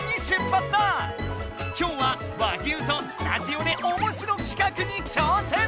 今日は和牛とスタジオでおもしろ企画にちょうせん！